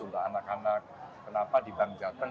untuk anak anak kenapa di bank jateng